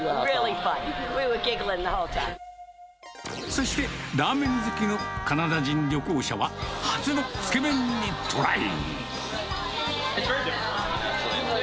そして、ラーメン好きのカナダ人旅行者は、初のつけ麺にトライ。